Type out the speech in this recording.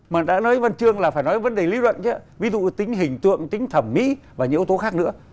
mà đã nói văn chương là phải nói vấn đề lý luận ví dụ tính hình tượng tính thẩm mỹ và những yếu tố khác nữa